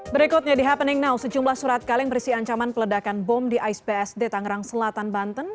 berikutnya di happening now sejumlah surat kaleng berisi ancaman peledakan bom di aispsd tangerang selatan banten